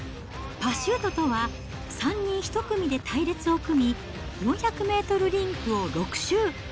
パシュートとは、３人１組で隊列を組み、４００メートルリンクを６周。